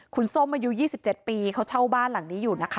คุณส้มอายุ๒๗ปีเขาเช่าบ้านหลังนี้อยู่นะคะ